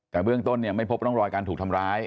แต่เบื้องต้นไม่พบร่องรอยการถูกทำร้าย